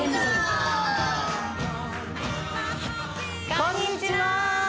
こんにちは！